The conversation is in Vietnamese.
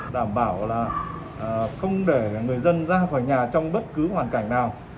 đảm bảo là không để người dân ra khỏi nhà trong bất cứ hoàn cảnh nào